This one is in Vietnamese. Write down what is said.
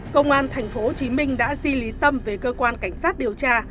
công an tp hcm đã di lý tâm về cơ quan cảnh sát điều tra